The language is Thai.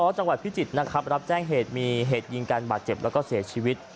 จังหวัดพิจิตรนะครับรับแจ้งเหตุมีเหตุยิงการบาดเจ็บแล้วก็เสียชีวิต